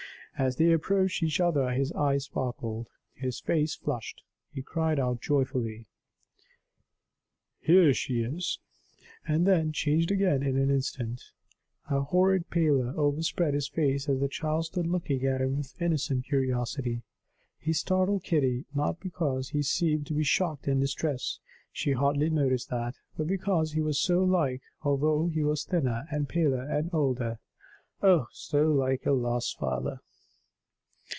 As they approached each other, his eyes sparkled, his face flushed; he cried out joyfully, "Here she is!" and then changed again in an instant. A horrid pallor overspread his face as the child stood looking at him with innocent curiosity. He startled Kitty, not because he seemed to be shocked and distressed, she hardly noticed that; but because he was so like although he was thinner and paler and older oh, so like her lost father!